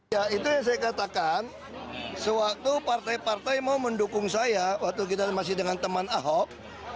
ya itu yang saya katakan sewaktu partai partai mau mendukung saya waktu kita masih dengan teman ahok